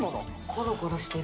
コロコロしてる。